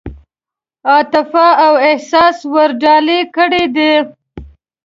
عاطفه او احساس ورډالۍ کړي دي.